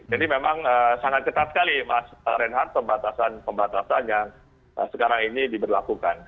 jadi memang sangat ketat sekali mas reinhardt pembatasan pembatasan yang sekarang ini diberlakukan